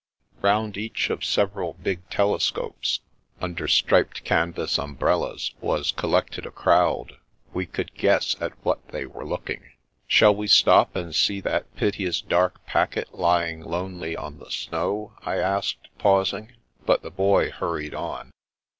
Round each of several big telescopes under striped canvas umbrellas, was collected a crowd. We could guess at what they were looking. " Shall we stop and see that piteous dark packet lying lonely on the snow ?" I asked, pausing. But the Boy hurried on.